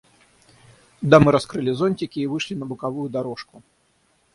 Дамы раскрыли зонтики и вышли на боковую дорожку.